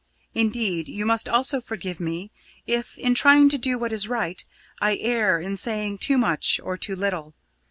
Indeed, you must also forgive me if, in trying to do what is right, I err in saying too much or too little.